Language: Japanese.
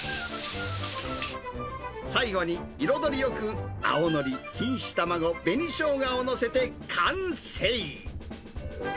最後に彩りよく青のり、錦糸卵、紅ショウガを載せて完成。